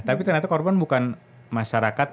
tapi ternyata korban bukan masyarakat